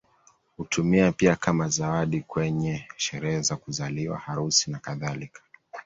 Hutumiwa pia kama zawadi kwenye sherehe za kuzaliwa, harusi, nakadhalika.